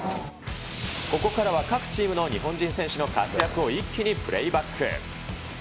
ここからは各チームの日本人選手の活躍を一気にプレイバック。